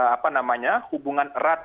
apa namanya hubungan erat